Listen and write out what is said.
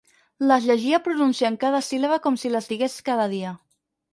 Les llegia pronunciant cada síl·laba com si les digués cada dia.